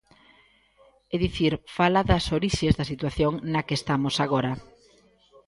É dicir, fala das orixes da situación na que estamos agora.